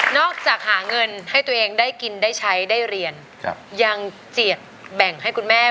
จากหาเงินให้ตัวเองได้กินได้ใช้ได้เรียนยังเจียดแบ่งให้คุณแม่